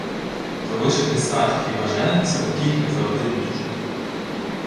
— То ви ж, хрестаті, хіба женитеся по кілька за один між?